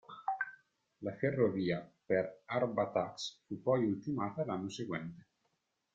La ferrovia per Arbatax fu poi ultimata l'anno seguente.